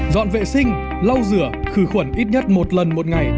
dọn vệ sinh lau rửa khử khuẩn ít nhất một lần một ngày